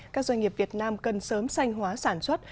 các doanh nghiệp việt nam cần sớm sanh hóa sản xuất